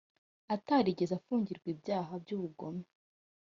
atarigeze afungirwa ibyaha by ubugome